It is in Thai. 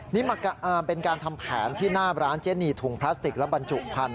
นี่เป็นการทำแผนที่หน้าร้านเจนีถุงพลาสติกและบรรจุพันธ